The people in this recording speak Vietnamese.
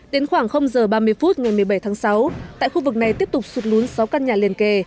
đến khoảng h ba mươi phút ngày một mươi bảy tháng sáu tại khu vực này tiếp tục sụt lún sáu căn nhà liền kề